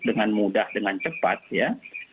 dengan mudah dengan cepat ya